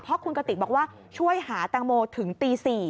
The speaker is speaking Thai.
เพราะคุณกติกบอกว่าช่วยหาแตงโมถึงตี๔